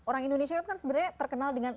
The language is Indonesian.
orang indonesia itu kan sebenarnya terkenal dengan